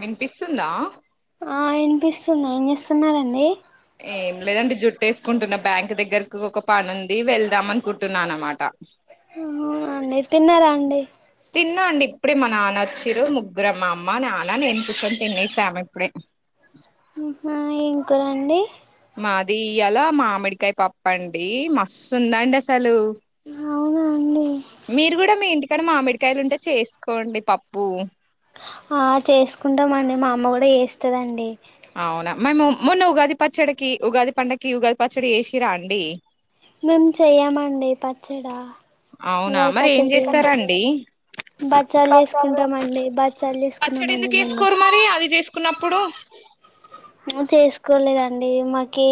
వినిపిస్తుందా వినిపిస్తున్నా ఏం చేస్సున్నారండి ఏం లేదండి జుట్టేసుకుంటున్న బ్యాంక్ దగ్గరకు ఒక పని ఉంది వెళ్దాం అనుకుంటున్నాను అనమాట అవునా అండి తిన్నారా అండి తిన్నాండి ఇప్పుడే మా నాన్న వచ్చిర్రు ముగ్గురం మా అమ్మ నాన్న నేన్ కూర్చొని తినేసామ్ ఇప్పుడే ఆహా ఏం కూరండి మాది ఇయాలా మామిడికాయ పప్పండి మస్తు ఉందండి అసలు అవునా అండి మీరు కూడా మీ ఇంటిక్ కానీ మామిడికాయలు ఉంటే చేసుకోండి పప్పు ఆ చేసుకుంటాం అండి మా అమ్మ కూడా వేస్తదండి అవునా మేము మొన్న ఉగాది పచ్చడికి ఉగాది పండక్కి ఉగాది పచ్చడి వేసిరా అండి మేము చెయ్యమండి పచ్చడ అవునా మరి ఏం చేస్తారండి, బచ్చాలు చేసుకుంటామండి బచ్చాలు పచ్చడి చేసుకున్నామండి ఎందుకు వేసుకోరు మరి అది చేసుకున్నప్పుడు. మో చేసుకోలేదండి మాకి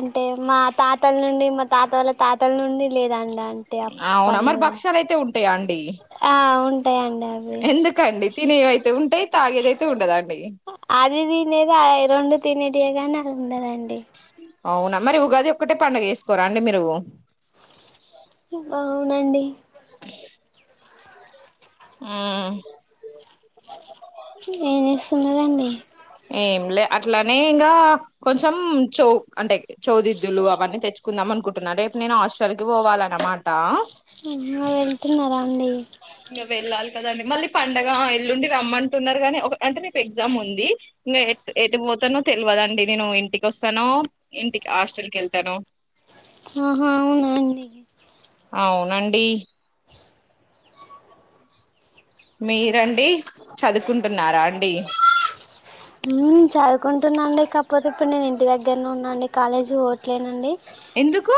అంటే మా తాతల నుండి మా తాత వాళ్ళ తాతల నుండి. లేదండి అంటే అవునా మరి అప్పండుగ భక్షాలు అయితే ఉంటాయా అండి ఆ ఉం ఎందుకండి తినే అయితే ఉంటయి తాగ్యదతే ఉండదను అది దినేది రెండు తినే తీేంగాగా రలుంందాడి అవున మరి ఉగాది ఒక్కటే పండుగ వేసుకోరా అండి మీరు అవునండి అ ఆ ఏం చేస్తున్నారు అండి ఏంలే అట్లానే ఇంకా కొంచెం చ అంటే చౌదిద్దులు అవన్నీ తెచ్చుకుందాం అనుకుంటున్నారు రేపుడు నేను హాస్టల్ కి పోవాల అన్నమాట అమా వెళ్తున్నారా అండి ఇంకా వెళ్ళాలి కదండి మళ్ళీ పండగ ఎల్లుండి రమ్మంటున్నారు కాగానీ ఒక అంటే నకు ఎగ్జామ్ ఉంది ఇంకా ఎది పోతానో తెలియదండి నేను ఇంటికి వస్తానో ఇంటికి హాస్టల్ కి వెళ్తాను ఆహా అవున అండి కుడి మీరండి చదువుకుంటున్నారా అండి చదువుకుంటున్నాం కాకపోతే ఇప్పుడు నేను ఇంటి దగ్గర ఉన్నాండి కాలేజీ ఓట్లేనండి ఎందుకు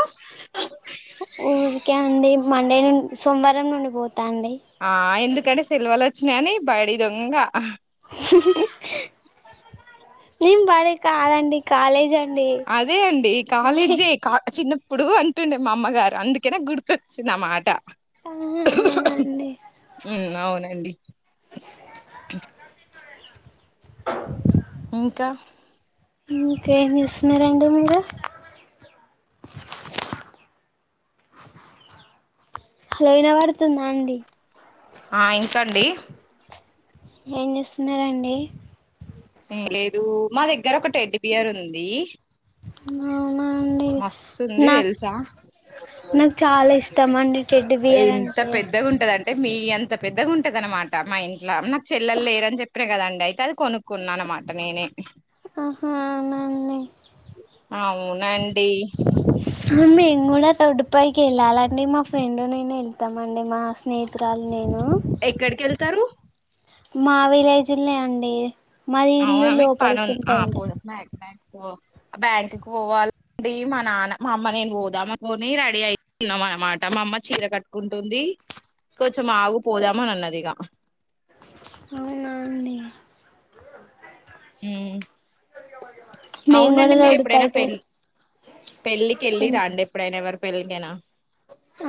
ఊరికే అండి మండే నుండి సోమవారం నుండి పోతు ఆ ఎందు ఇక్కడ సెల్వలు వచ్చినాయని బడి దొంగ నేను పాడే కాదండి కాలేజ్ అ అదే అండి కాలేజీ చిన్న ఇప్పుడు అంటుండే మా అమ్మగారు అందుకేనే గుర్తు సిని నా మాట ఆహా అవునండి అవునండి ఇంకా ఇంకేం చేస్తున్నారు రండి మీరు హలో యినా పడుతుందా అండి ఆ ఇంకాండి ఏం చేస్తున్నండి అ మా దగ్గర ఒక టెడ్ బియర్ ఉంది అవు మస్తుంది తెలుసా నాకు చాలా ఇష్టం అండి టెడ్డి బియర్ ఎంత అంటే పెద్దగా ఉంటదంటే మీ అంత పెద్దగా ఉంటది అనమాట మా ఇంట్లో నాకు చెల్ెలు లేరని చెప్పిన కదండి అయితే అది కొనుక్కున్నా అనమాట నేనే ఆహా అవునాండి అవునండి మేము కూడా తోడ్డుపైకి వెళ్ళాలిండి మా ఫ్రెండ్ నేను వెళ్తామండి మా స్నేహితురాలు నేను ఎక్కడికి ఏళ్తారు మా విలేజీల్నే అండి మాది ఇల్లు అవునా మీ పడు లోపలికి ఆ ఉంటదండి పోదాం మాక్ బ్యాక్ ఓ బ్యాంకుక్ పోవాలండి మా నాన్న మా అమ్మ నేను పోదాం అనుకోని రెడీ అయితున్నాం అనమాట మా అమ్మ చీర కట్టుకుంటుంది కొంచెం ఆగు పోదామని అన్నదిగ అవునా అండి హ్మ్ మేము అవునండి కూడా మీరు రోడ్డు ఎప్పుడైనా పె పైకి పెళ్ళికి ఏళ్ళిరాండి ఎప్పుడైనా ఎవర్ పెళ్లికేనా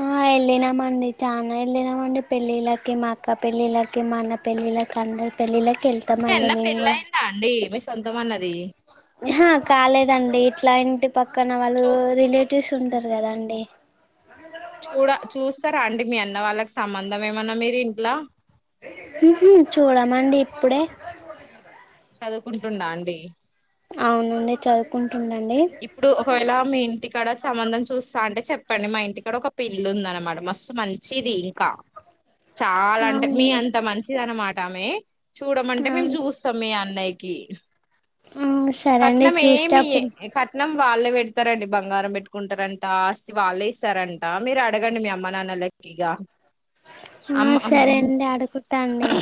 ఆ వెళ్ళినామండి చాలనా వెళ్ళినామండి పెళ్ళిళ్ళకి మా అక్క పెళ్ళిళ్లకి మా అన్న పెళ్ళిళ్ళకి అందరి పెళ్ళిళకి మీ అన్నా పెళ్లయిందా అండి మీస్ ఆహా కాలేదండి క్లైంట్ పక్కన వాళ్ళు చూస్ రిలేటివ్స్ ఉంటారు కదాండి చూడ చూస్తారా అండి మీ అన్న వాళ్ళకి సంబంధం ఏమన్నా మీరు ఇంట్లా ఉహ్మ్ చూడమండి ఇప్పుడే చాదువుకుంటుండా అండి అవునండి చదువుకుం ఇప్పుడు ఒకవేళ మీ ఇంటికాడ సంబంధం చూస్తా అంటే చెప్పండి మా ఇంటి కూడా ఒక పిల్లుందనమాట మస్తు మం చిది ఇంకా చాలా అంటే మీ అవును అంత మంచిది అన్నమా టమే చూడమంటే మేము అవును చూస్తాం మీ అన్నయ్య కి ఆ సరే అండి చూస్తప్పుడు మనం వాళ్ళే పెడతారండి బంగారం పెట్టుకుంటారంట అస్తి వాళ్ళే ఇస్తారంట మీరు అడగండి మీ అమ్మ నాన్నలకి ఇగ ఆ అమ్మ సరే అండి అడుగుతా అండి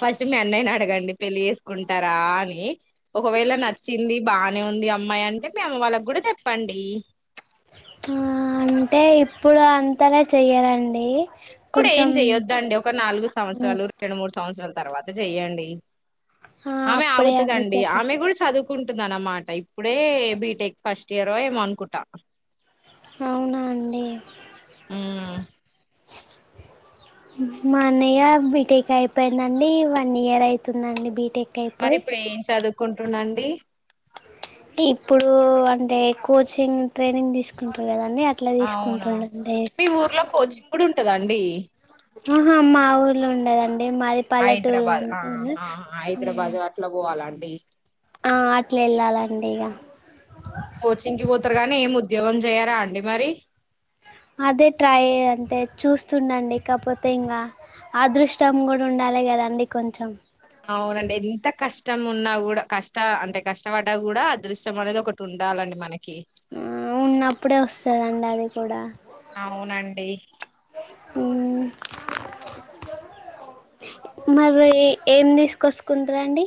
ఫస్ట్ మీ అన్నయ్యని అడగండి పెళ్ళి చేేసుకుంటరా అని ఒకవేళ నచ్చింది బా బానే ఉంది అమ్మాయి అంటే మీ అమ్మా వాళ్ళకి కూడా చెప్పండి హా అంటే ఏప్పుడు అంతలా చెయ్యారండి ఇప్పుడు ఏం చెయొద్దండి ఒక నాలుగు సంవత్సరాలు రెండు మూడు సంవత్సరాలు తర్వాత చెయ్యండి ఆ ఆమె అప్పుడే అండి ఆగుతుదండి చేసా ఆమె కూడా చదువు అనుకుంటున్నానమ్మ ఇప్పుడే బీటెక్ ఫస్ట్ ఇయర్ ఏమో అనుకుంటా అవునా అండి ఉమ్ మా అన్నయ్య బీటెక్ అయిపోయిందండి వన్ ఇయర్ అవుతుందండి బీటెక్ మరి అయిపోయి ఇప్పుడు ఏం చదువుకుంట టూనండి ఇప్పుడు అంటే కోచింగ్ ట్రైనింగ్ తీసుకుంటారు కదా అవునా మీ ఊర్లో కోచింగ్ కూడా ఉంటదా అండి ఆహా మా ఊర్లో ఉండదండి మాది పల్లెటూరు హైదరాబాద్ ఉంటుంది. ఆ హైదరాబాద్ అట్లా పోవాల ండి ఆ అట్లు వెళ్ళాలండి ఇగ కోచింగ్ కి పోతారు గానీ ఏం ఉద్యోగం చేయ్యారా అండి మరి అదే ట్రై అంటే చూస్తుండండి కాకపోతే ఇంకా అదృష్టం కూడా ఉండాలి కదండి కొంచెం అవునండి ఎంత కష్ట కష్టం ఉన్నా కూడా కష్ట అంటే కష్టపడ్డా కూడా అదృష్టం అనేది ఒకటి ఉండాలండి మన ఉమ్ ఉన్నప్పుడే వస్త చదవండి అది కూడా అవునండి మరి ఏం తీసుకొసుకుంటారు అండి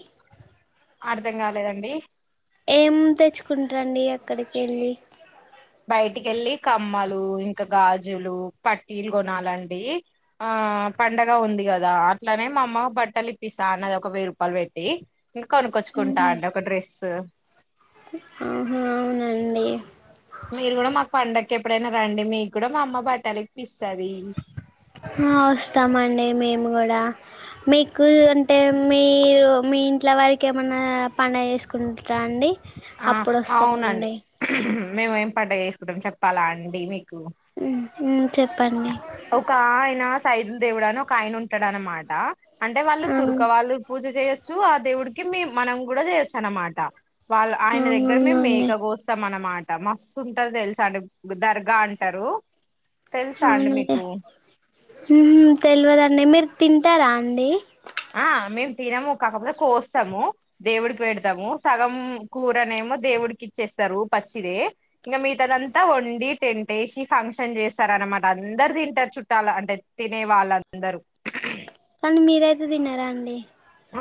అర్ధం కాలేదండి ఏం తెచ్చుకుంటారండి అక్కడికి వెళ్ళి బయటికి వెళ్ళి కమ్మలు ఇంకా గాజులు పట్టీలు కొనాలండి ఆ పండగ ఉంది కదా అట్లానే మా అమ్మ బట్టలు ఇప్పిస్తా అన్నది ఒక వెయ్యి రూపాయలు పెట్టి ఇంకా కొనుక్కొచ్చుకుంటా అండి ఒక డ్రెస్ ఆహా అవునండి మీరు కూడా మాకు పండుగకి ఎప్పుడైనా రండి మీ ఆ వస్తామండి మేము కూడా మీకు అంటే మీరు మీ ఇంట్లో వారికి ఏమన్నా పండుగ చేసుకుంటారా అండి ఆ అప్పుడు అవునండి వస్తామండి మేము ఏం పండగ చేసుకుంటాం చెప్పాలా అండి మీకు ఉమ్ ఉమ్ చెప్పండి ఒక ఆయన సైదులు దేవుడు అని ఒక ఆయన ఉంటాడు అన్నమాట అంటే వాళ్ళు తుర్కవాళ్ళు పూజ చేయొచ్చు ఆ దేవుడికి మీ మనం కూడా చేయొచ్చు అన్నమాట వాళ్ళ ఆయన దగ్గర మేము అవునండి మేక కోస్తాం అన్నమాట మస్తు ఉంటారు తెలుసా అండి దర్గా అంటారు తెల్స అండ్ మీ ఉహమ్ తెల్వదండి మీరు తింటరా అండి ఆ మేమ్ తినము కాకపోతే కోస్తాము దేవుడికి పెడతాము సగం కూరనేమో దేవుడికి ఇచ్చేస్తారు పచ్చిదే ఇంకా మీతనంతా వండి టెన్ వేసి ఫంక్షన్ చేస్తారనమాట అందరు తింటారు చుట్టాలు అంటే తినే వాళ్ళందరూ మీరయితే తినరా అండి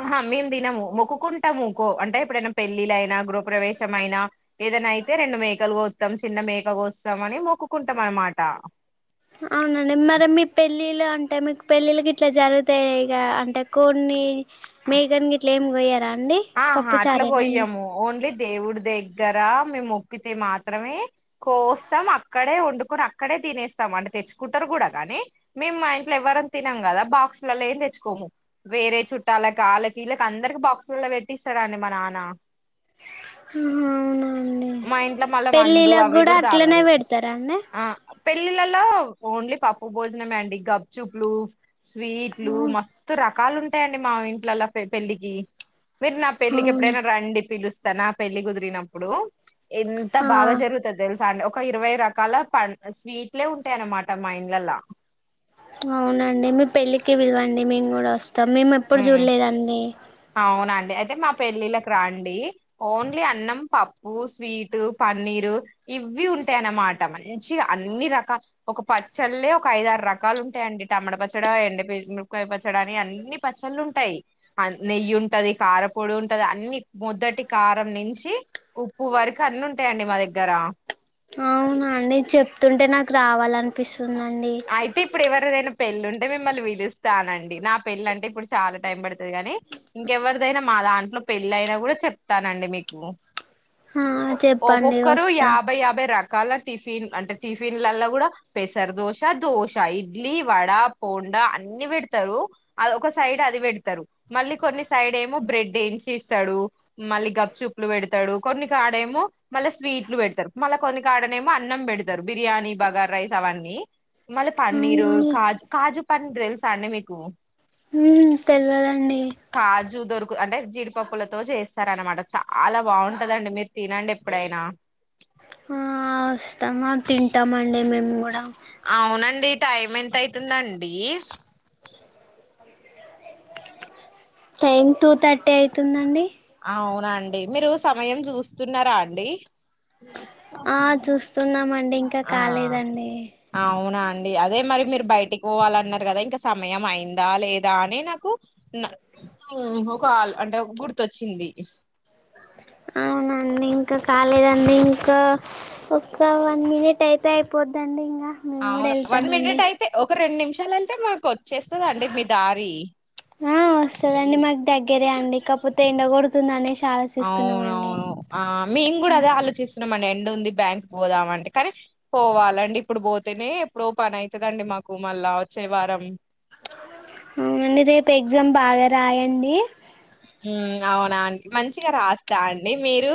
ఆహా మేమ్ తినము మొక్కుకుంటాము ఇకో అంటే ఎప్పుడైనా పెళ్ళిలయినా గృహప్రవేశ మయినా ఏదైనా అయితే రెండు మేకలు కోస్తాం చిన్న మేక కోస్తాం అని మొక్కుంటాం అనమాట అవునండి మరె మీ పెళ్ళిల అంటే మీకు పెళ్ళిలు గిట్ల జరుగుతాయి ఇక అంటే కోడ్న్ని మేకని ఇట్ల ఏమి కోయర ఆహా అట్లా గోయ్యము ఓన్లీ దేవుడి దగ్గర మేము మొక్కితే మాత్రమే కోస్తాం అక్కడే వండుకొని అక్కడే తినేస్తాము అంటే తెచ్చుకుంటారు కూడ కానీ మేము మా ఇంట్లో ఎవ్వరం తినం గదా బాక్సులలోం తెచ్చుకోము వేరే చుట్టాలకుళ్ళకిీళకి అందరికి బాక్సులలో పట్టిస్తాడండి మా నాన్న ఉహు అవున మా ఇంట్లో మళ్ళా మందు అవి కూడ అట్లనే తాగరు పెడతారా అండి ఆ పెళ్ళిలల్లో ఓన్లీ పప్పు భోజనమే అండి గబ్ చూప్ లు స్వీట్లు మస్త్ రా రకాలు ఉంటాయండి మా ఇంట్లల్లో పెళ్లిికి మీరు నా పెళ్లిికి అవును ఎప్పుడైన రండి పిలుస్ స్తాన్ నా పెళ్ళి కుదిరినప్పుడు ఎంత ఆ బాగ జరుతది తెల సార్కె ఒక ఇరవై రకాల పం స్వీట్లే ఉంటాయన్నమాట మా ఇండ్లలా అవునండి మీ పెళ్ళికి పిలవండి మీ కూడా వస్ మేము ఎప్పుడు ఉమ్ చూడ్లేదండి పెళ్ళిలకు రాండి ఓన్లీ అన్నం పప్పు స్వీటు పన్నీరు ఇవ్వి ఉంటాయనమాట మంచి గ అన్ని రకా ఒక పచ్చళ్లే ఒక ఐద ఆరు రకాలు ఉంటాయండి టమడ పచ్చడి ఎండిమిరపకాయ పచ్చడి అని అన్ని పచ్చళ్ళు ఉంటాయి నెయ్యి ఉంటది కారపొడి ఉంటది అన్ని మొదటి కారం నుంచి ఉప్పు వరకు అన్ని ఉంటాయండి మా దగ్గర అవునా అండి చెప్తుంటే నాకు రావాలనిపిస్తుంది అయితే ఇప్పుడె ఎవరిదైన పెళ్ళి ఉంటే మ మ్ మిమ్మల్ని పిలుస్తానండి నా పెళ్ళి అంటే ఇప్పుడు చాలా టైం పడుతది కానీ ఇంకెవరిదైనా మా దాంట్లో పెళ్ళి అయినా కూడా చెప్తానండి మీకు ఆ చెప్పండి ఒక్కొక్కరు వస్తా యాభై యాభై రక్ రకాల టిఫిన్ అంటే టిఫిన్లల్లా కూడ పెసర్ దోష దోశ ఇడ్లీ వడ పొండా అన్ని పెడతారు ఒక సైడ్ అది పెడతారు మళ్ళీ కొన్ని సైడ్ ఏమో బ్రెడ్ వేంచి ఇస్తాడు మళ్ళీ గప్ చూప్లు పెడతాడు కొన్ని కాడేమో మళ్ళ స్వీట్లు పెడతారు మళ్ళా కొన్ని కాడ ఏమో అన్నం పెడతారు బిర్యానీ బగార్ రైస్ అవన్నీ మళ్ళ పన్నీరు అవునండి కాజు కాజు పన్నీర్ తెల్స అండి మీకు తెల్వదండి చూదొరుకు అంటే జీడిపప్పులతో చేస్తారనమాట చాల బాగుంటదండి మీరు తినండి ఎప్పుడైనా అ వస్తామ తింటామం అండి మేము కూడ టైమ్ ఎంత అయితుందండి టైం టూ థర్ ట్టి అయితుందండి అండి మీరు సమయం చూస్తున్నారా అండి ఆ చూస్తున్నామండి ఇంకా కాలేదండి డి అదే మరి మీరు బయటికి పోవాలన్నారు కదా ఇంకా సమయం అయిందా లేదా అని నాకు ఉమ్ ఒక ఆల్ అంటే గుర్తొచ్చింది ఆ అవునండి ఇంకా కాలేదండి ఇంకా ఒక వన్ మినిట్ అయితే అయిపోద్దండి ఇం అవును వన్ మినిట్ అయితే ఒక రెండు నిమి నిమిషాలంటే మాకు వచ్చేస్తుందండి మీ దారి ఆ వస్తుదండి మాకు దగ్గరే అండి కాపోతే ఎండ కొడుతుంది అనేస్ అవునవును ఆ మేం కూడా అదే ఆలోచిస్ న్నమండి ఎండుంది బ్యాంక్ పోదామంటే కానీ పోవాలండి ఇప్పుడు పోతేనే ఎప్పుడో పని అయితదండి మాకు మళ్ళా వచ్చే వారం అవునండి రేపు ఎగ్జామ్ బాగా రాయండి మ్ అవునా అండి మంచిగా రాస్తా అండి మీరు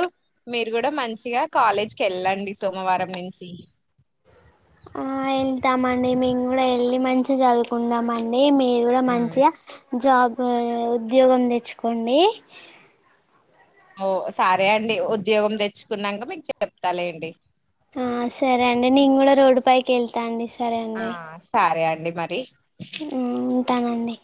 మీరు కూడా మంచిగా కాలేజ్కి వెళ్ళండి సోమవారం నుంచి ఆ వెళ్తామండి మేము కూడా వెళ్ళి మంచిగా చదువుకుంటామండి మీరు కూడా హ్మ్. మంచిగా జాబ్ ఉద్యోగం తెచ్చుకోండి ఓ సరే అండి ఉద్యోగం తెచ్చుకునంక మీకు చెప్తాలెండి ఆ సరే అండి నెను కూడా రోడ్డు పైకి వెళ్తా అండి ఆ సరే అండి మర్ రి ఉమ్ ఉంటానండి